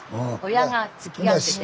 親がつきあってて。